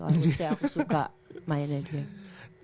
aku suka mainnya dia